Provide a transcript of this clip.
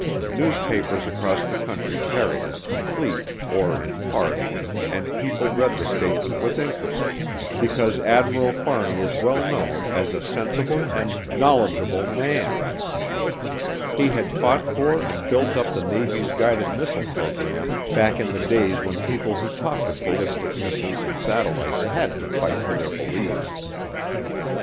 Newspapers across the country carried it complete, or in part, and people read the statement with interest because Admiral Fahrney is well known as a sensible and knowledgeable man. He had fought for and built up the Navy's guided missile program back in the days when people who talked of ballistic missiles and satellites had to fight for their beliefs.